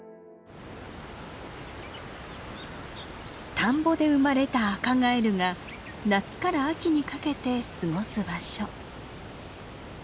田んぼで生まれたアカガエルが夏から秋にかけて過ごす場所。